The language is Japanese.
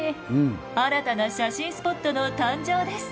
新たな写真スポットの誕生です。